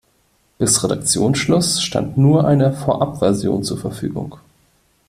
Bis Redaktionsschluss stand nur eine Vorabversion zur Verfügung.